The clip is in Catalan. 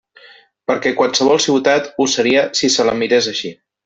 Perquè qualsevol ciutat ho seria si se la mirés així.